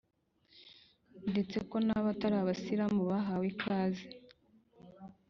ndetse ko n’ abatari Abasilamu bahawe ikaze.